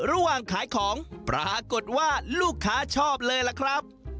ระหว่างขายของปรากฏว่าลูกค้าชอบเลยล่ะครับ